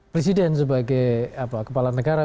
presiden sebagai kepala negara